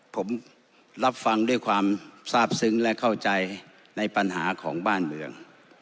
ผมรับฟังด้วยความทราบซึ้งและเข้าใจในปัญหาของบ้านเมือง